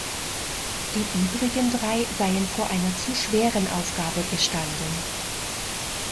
Die übrigen drei seien vor einer zu schweren Aufgabe gestanden.